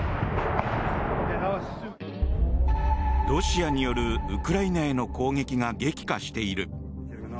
ロシアによるウクライナへの攻撃が激化している。